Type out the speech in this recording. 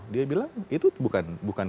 dia bilang itu bukan